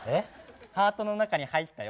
ハートの中に入ったよ。